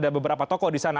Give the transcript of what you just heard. ada beberapa tokoh di sana